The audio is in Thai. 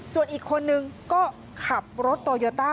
ส่วนอีกคนนึงก็ขับรถโตโยต้า